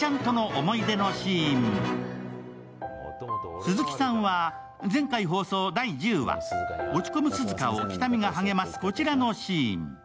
鈴木さんは前回放送第１０話、落ち込む涼香を喜多見が励ます、こちらのシーン。